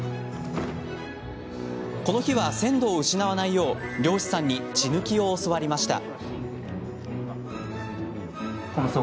この日は、鮮度を失わないよう漁師さんに血抜きを教わりました。